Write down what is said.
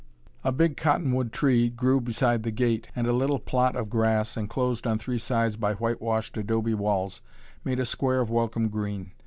A big cottonwood tree grew beside the gate, and a little plot of grass, enclosed on three sides by whitewashed adobe walls, made a square of welcome green.